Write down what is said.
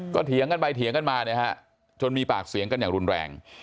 ก็เถียงกันไปเถียงกันมาเนี่ยฮะจนมีปากเสียงกันอย่างรุนแรง